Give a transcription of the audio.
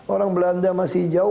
orang belanda masih jauh